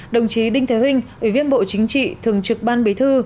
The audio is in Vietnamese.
đồng chí đinh thế huệ ủy viên bộ chính trị thường trực ban bí thư